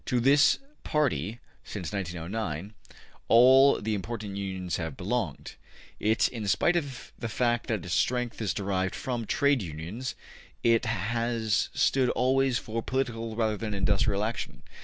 To this party, since 1909, all the important Unions have belonged, but in spite of the fact that its strength is derived from Trade Unions, it has stood always for political rather than industrial action.